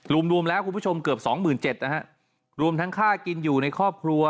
รวมรวมแล้วคุณผู้ชมเกือบสองหมื่นเจ็ดนะฮะรวมทั้งค่ากินอยู่ในครอบครัว